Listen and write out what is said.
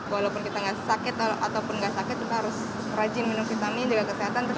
walaupun kita nggak sakit ataupun nggak sakit kita harus rajin minum vitamin jaga kesehatan